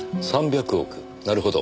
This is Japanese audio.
３００億なるほど。